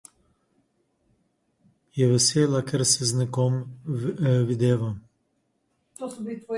Je vesela, ker se z nekom videvam?